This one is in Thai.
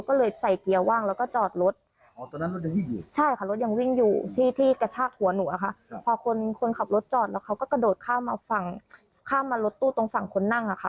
ก็เข้ามารถตู้ตรงฝั่งคนนั่งค่ะ